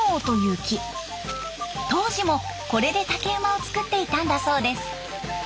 当時もこれで竹馬を作っていたんだそうです。